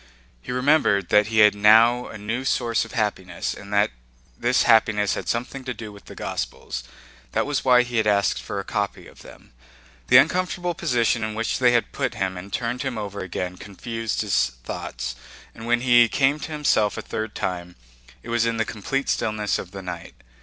He remembered that he had now a new source of happiness and that this happiness had something to do with the Gospels. That was why he asked for a copy of them. The uncomfortable position in which they had put him and turned him over again confused his thoughts, and when he came to himself a third time it was in the complete stillness of the night.